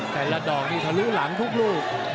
แต่ละดอกนี่ทะลุหลังทุกลูก